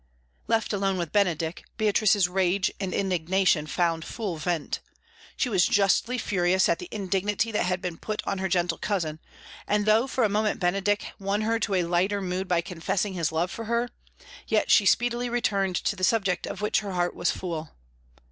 Left alone with Benedick, Beatrice's rage and indignation found full vent. She was justly furious at the indignity that had been put on her gentle cousin, and though for a moment Benedick won her to a lighter mood by confessing his love for her, yet she speedily returned to the subject of which her heart was full.